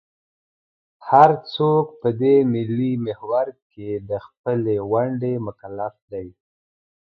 هر څوک په دې ملي محور کې د خپلې ونډې مکلف دی.